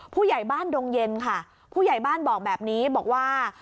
ผู้ใหญ่บ้านดงเย็นค่ะผู้ใหญ่บ้านบอกแบบนี้บอกว่า